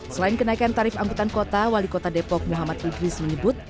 selain kenaikan tarif angkutan kota wali kota depok muhammad idris menyebut